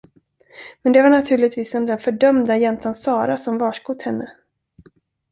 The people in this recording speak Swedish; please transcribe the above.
Men det var naturligtvis den där fördömda jäntan Sara som varskott henne.